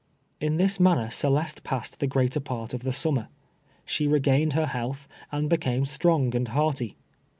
In this manner Celeste passed the greater part of the summer. She regained her health, and became strong and hearty.